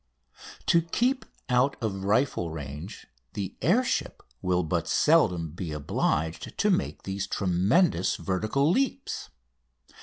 To keep out of rifle range the air ship will but seldom be obliged to make these tremendous vertical leaps.